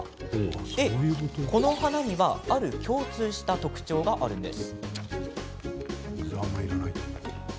で、この花にはある共通した特徴があるんです。